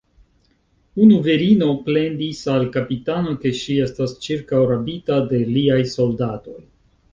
Unu virino plendis al kapitano, ke ŝi estas ĉirkaŭrabita de liaj soldatoj.